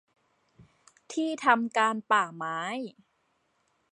ที่ทำการป่าไม้